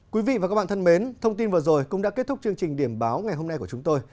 quý vị và các bạn thân mến thông tin vừa rồi cũng đã kết thúc chương trình điểm báo ngày hôm nay của chúng tôi